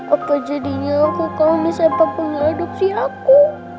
apa jadinya aku kalau misalnya papa gak adopsi aku